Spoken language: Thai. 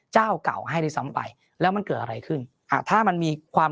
เจ้าเก่าให้ด้วยซ้ำไปแล้วมันเกิดอะไรขึ้นอ่าถ้ามันมีความ